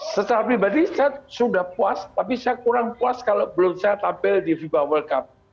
secara pribadi saya sudah puas tapi saya kurang puas kalau belum saya tampil di fiba world cup